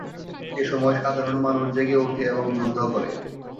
এসময় সাধারণ মানুষ জেগে ওঠে এবং যুদ্ধ করে।